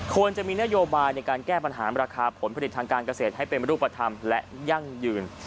ควรจะมีนโยบายในการแก้ปัญหาราคาผลผลิตทางการเกษตรให้เป็นรูปธรรมและยั่งยืน